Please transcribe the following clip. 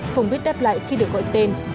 không biết đáp lại khi được gọi tên